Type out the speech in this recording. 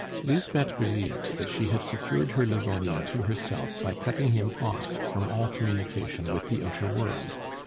Lisbeth believed that she had secured her Livonian to herself by cutting him off from all communication with the outer world.